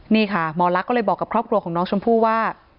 นี่ค่ะหมอลักษณ์ก็เลยบอกกับครอบครัวของน้องชมพู่ว่า